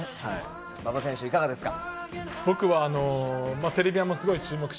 馬場選手、いかがですか？